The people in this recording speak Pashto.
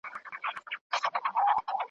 دوې هیلۍ وي له خپل سېله بېلېدلې ,